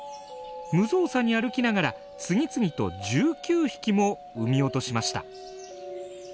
無造作に歩きながら次々と１９匹も産み落としました。